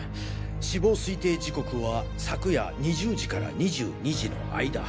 死亡推定時刻は昨夜２０時から２２時の間。